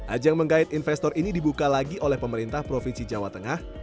ajang menggait investor ini dibuka lagi oleh pemerintah provinsi jawa tengah